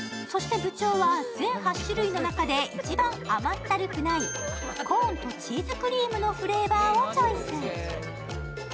そして部長は、全８種類の中で一番甘ったるくないコーンとチーズクリームのフレーバーをチョイス。